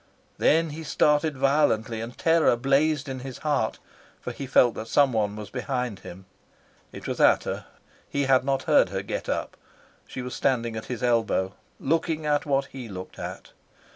Then he started violently, and terror blazed in his heart, for he felt that someone was behind him. It was Ata. He had not heard her get up. She was standing at his elbow, looking at what he looked at.